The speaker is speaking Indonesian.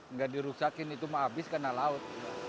nggak dirusakin itu mah habis kena laut